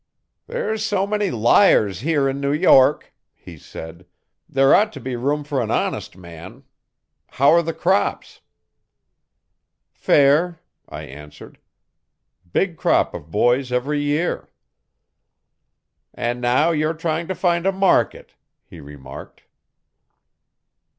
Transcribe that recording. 'There's so many liars here in New York,' he said, 'there ought to be room for an honest man. How are the crops?' 'Fair, I answered. 'Big crop of boys every year.' 'And now you're trying to find a market, he remarked.'